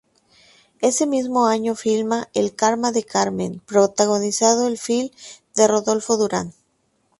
Ese mismo año filma "El karma de Carmen", protagonizando el film de Rodolfo Durán.